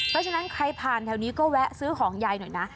เพราะฉะนั้นใครผ่านแถวนี้ก็แวะซื้อของยายหน่อยนะ